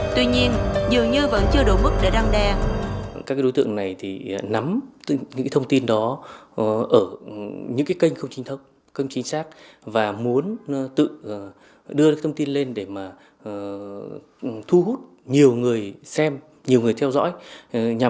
tuy nhiên dường như vẫn chưa đủ mức để đăng đe